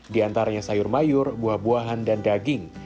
di antaranya sayur mayur buah buahan dan daging